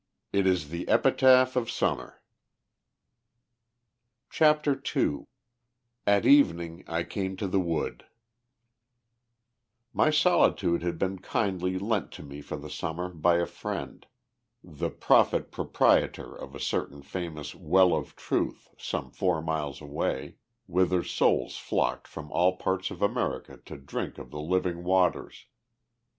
"It is the epitaph of Summer." CHAPTER II AT EVENING I CAME TO THE WOOD My solitude had been kindly lent to me for the Summer by a friend, the prophet proprietor of a certain famous Well of Truth some four miles away, whither souls flocked from all parts of America to drink of the living waters.